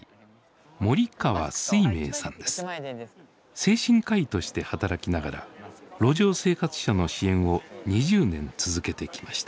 精神科医として働きながら路上生活者の支援を２０年続けてきました。